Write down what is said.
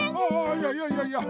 いやいやいやいや。